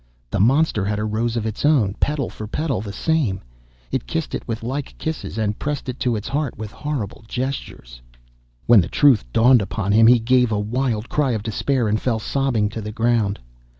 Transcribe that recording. The monster had a rose of its own, petal for petal the same! It kissed it with like kisses, and pressed it to its heart with horrible gestures. When the truth dawned upon him, he gave a wild cry of despair, and fell sobbing to the ground.